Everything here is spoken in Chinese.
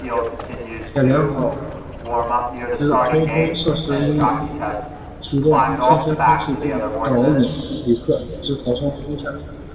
且良好之通风设施应能提供新鲜空气并导引旅客之逃生方向。